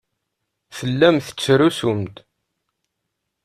Tellam tettrusum-d.